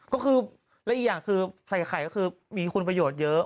ก็คือและอีกอย่างคือใส่ไข่ก็คือมีคุณประโยชน์เยอะ